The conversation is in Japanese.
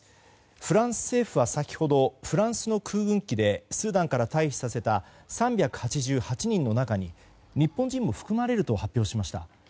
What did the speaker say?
フランス政府は先ほどフランスの空軍機でスーダンから退避させた３８８人の中に日本人も含まれると発表しました。